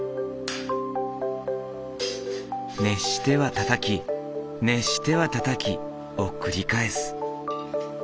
熱してはたたき熱してはたたきを繰り返す。